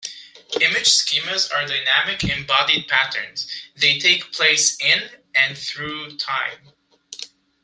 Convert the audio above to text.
Image schemas are dynamic embodied patterns-they take place "in" and "through" time.